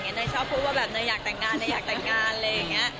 เนยชอบพูดว่าเนยอยากแต่งงานอะไรอย่างนี้